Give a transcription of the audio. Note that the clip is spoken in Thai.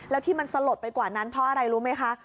แล้วที่มันสลดไปกว่านั้นเพราะอะไรรู้ไหมคะ